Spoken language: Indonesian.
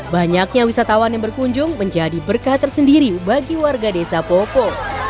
banyaknya wisatawan yang berkunjung menjadi berkah tersendiri bagi warga desa popo